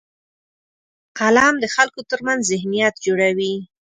قلم د خلکو ترمنځ ذهنیت جوړوي